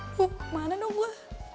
aduh ke mana dong gue